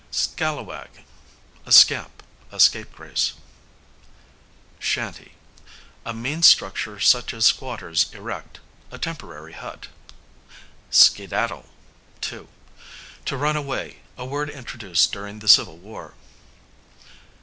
Scalawag, a scamp, a scapegrace. Shanty, a mean structure such as squatters erect; a temporary hut. Skedaddle, to; to run away; a word introduced during the civil war.